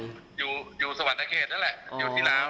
อยู่สวรรค์นะเกสนั่นแหละ